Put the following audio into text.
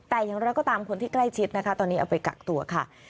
แต่อย่างไรก็ตามคนที่ใกล้ชิดนะคะตอนนี้เอาไปกักตัวค่ะ